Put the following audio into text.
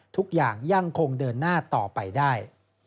ทุกอย่างยังคงเดินหน้าต่อไปได้